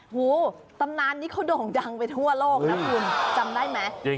หูตำนานนี้เขาโด่งดังไปทั่วโลกนะคุณจำได้ไหม